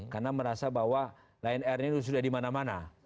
karena merasa bahwa lion air ini sudah dimana mana